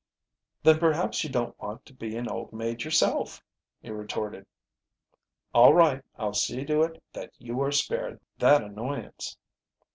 "Then perhaps you don't want to be an old maid yourself," he retorted. "All right, I'll see to it that you are spared that annoyance."